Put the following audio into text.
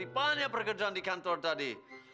banyak pekerjaan di kantor tadi